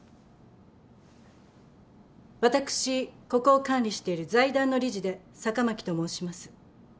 私ここを管理している財団の理事で坂巻と申します。